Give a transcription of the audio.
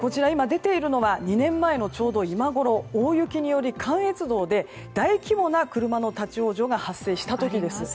２年前の今ごろ大雪により関越道で大規模な車の立ち往生が発生した時です。